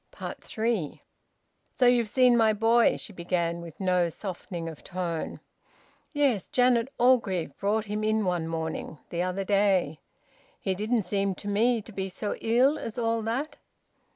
THREE. "So you've seen my boy?" she began, with no softening of tone. "Yes, Janet Orgreave brought him in one morning the other day. He didn't seem to me to be so ill as all that."